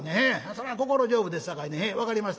そら心丈夫ですさかいに分かりました。